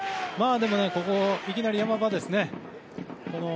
でも、ここいきなり山場ですね。